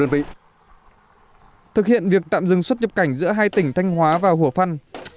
và thực hiện việc tạm dừng xuất nhập cảnh giữa hai tỉnh thanh hóa và hồ phân